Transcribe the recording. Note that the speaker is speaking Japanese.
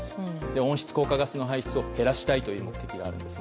温室効果ガスの排出を減らしたいという目的があるんです。